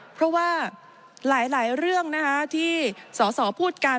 เพราะว่าหลายเรื่องที่สอสอพูดกัน